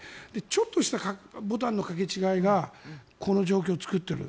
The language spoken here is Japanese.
ちょっとしたボタンの掛け違いがこの状況を作っている。